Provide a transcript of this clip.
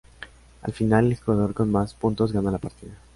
Al final, el jugador con más puntos gana la partida.